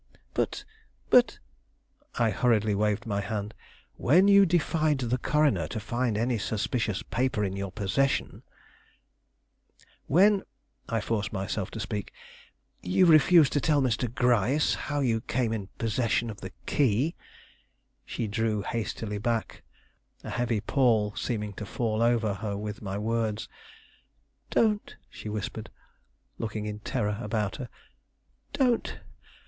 "But but " I hurriedly waved my hand. "When you defied the coroner to find any suspicious paper in your possession; when" I forced myself to speak "you refused to tell Mr. Gryce how you came in possession of the key " She drew hastily back, a heavy pall seeming to fall over her with my words. "Don't," she whispered, looking in terror about her. "Don't!